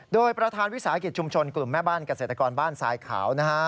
โดยประธานวิสาหกิจชุมชนกลุ่มแม่บ้านเกษตรกรบ้านทรายขาวนะฮะ